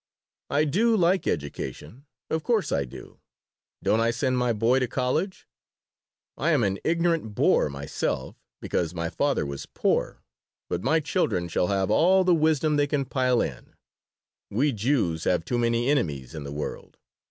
I do like education. Of course I do. Don't I send my boy to college? I am an ignorant boor myself, because my father was poor, but my children shall have all the wisdom they can pile in. We Jews have too many enemies in the world.